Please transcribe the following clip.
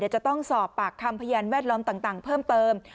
จะต้องสอบปากคำพยานแวดล้อมต่างเพิ่มเติม